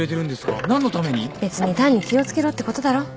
別に単に気を付けろってことだろ。